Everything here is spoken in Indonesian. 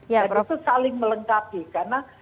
dan itu saling melengkapi karena